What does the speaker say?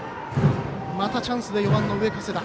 またチャンスで４番の上加世田。